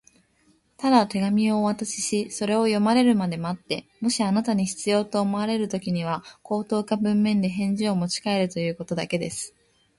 「ただ手紙をお渡しし、それを読まれるまで待って、もしあなたに必要と思われるときには、口頭か文面で返事をもちかえるということだけです」